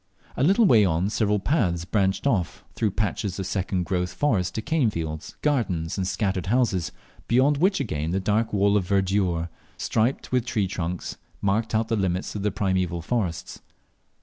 A little way on several paths branched off through patches of second growth forest to cane fields, gardens, and scattered houses, beyond which again the dark wall of verdure striped with tree trunks, marked out the limits of the primeval forests.